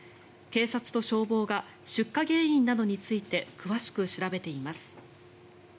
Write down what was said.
警察と消防が出火原因などについて詳しく調べています。